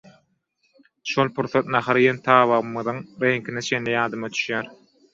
şol pursat nahar iýen tabagymyzyň reňkine çenli ýadyma düşýär